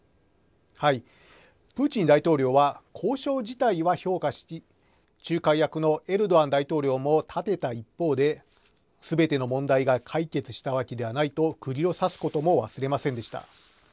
プーチン大統領は交渉自体は評価して仲介役のエルドアン大統領も立てた一方ですべての問題が解決したわけではないとくぎを刺すことも忘れませんでした。